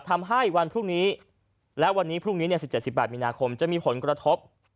ทำให้วันพรุ่งนี้และวันนี้พรุ่งนี้๑๗๑๘มีนาคมจะมีผลกระทบ